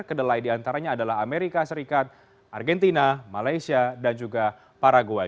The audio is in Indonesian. kedelai diantaranya adalah amerika serikat argentina malaysia dan juga paraguay